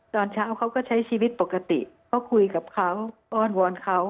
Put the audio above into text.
ตอนเช้าเขาก็ใช้ชีวิตปกติเขาคุยกับเขาอ้อนวอนเขา